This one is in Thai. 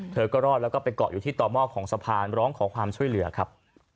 เธอก็รอดแล้วก็ไปเกาะอยู่ที่ต่อหม้อของสะพานร้องขอความช่วยเหลือครับ